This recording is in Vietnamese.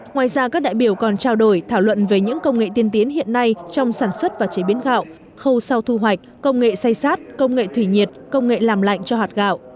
ngoài ra các đại biểu còn trao đổi thảo luận về những công nghệ tiên tiến hiện nay trong sản xuất và chế biến gạo khâu sao thu hoạch công nghệ say sát công nghệ thủy nhiệt công nghệ làm lạnh cho hạt gạo